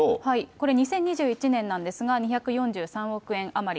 これ、２０２１年なんですが２４３億円余り。